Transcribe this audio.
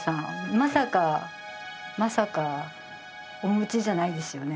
まさかまさかお持ちじゃないですよね？